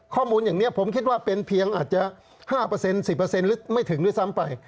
ข้อมูลอย่างนี้ผมคิดว่าเป็นเพียงอาจจะ๕๑๐หรือไม่ถึงด้วยซ้ำไป